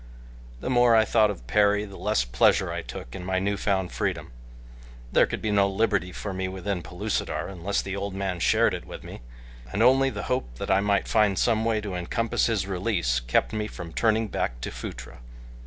The more I thought of Perry the less pleasure I took in my new found freedom. There could be no liberty for me within Pellucidar unless the old man shared it with me, and only the hope that I might find some way to encompass his release kept me from turning back to Phutra.